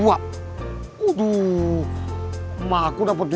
aduh emak aku dapet